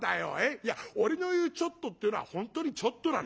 いや俺の言う『ちょっと』っていうのは本当にちょっとなの。